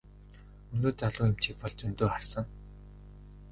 Өнөө залуу эмчийг бол зөндөө харсан.